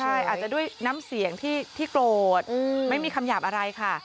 ใช่อาจจะด้วยน้ำเสียงที่โกรธไม่มีคำหยาบอะไรค่ะ